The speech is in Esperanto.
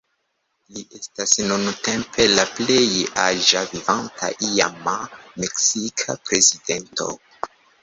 Li estas nuntempe la plej aĝa vivanta iama meksika prezidento.